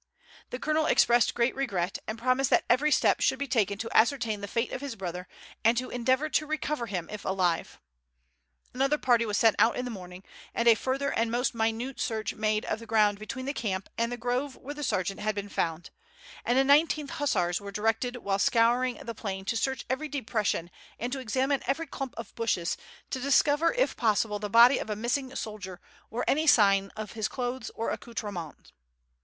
The colonel expressed great regret, and promised that every step should be taken to ascertain the fate of his brother and to endeavour to recover him if alive. Another party was sent out in the morning, and a further and most minute search made of the ground between the camp and the grove where the sergeant had been found, and the 19th Hussars were directed while scouring the plain to search every depression and to examine every clump of bushes to discover if possible the body of a missing soldier or any signs of his clothes or accoutrements.